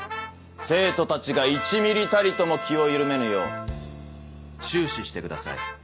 生徒たちが１ミリたりとも気を緩めぬよう注視してください。